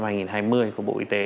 năm hai nghìn hai mươi của bộ y tế